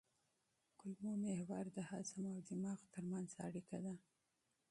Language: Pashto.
کولمو محور د هضم او دماغ ترمنځ اړیکه ده.